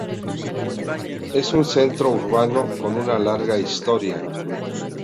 Es un centro urbano con una larga historia.